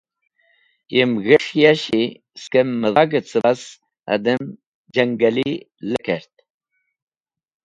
Yem g̃hes̃h yashi skem mẽdhag-e cẽbas adem jangali lekdert.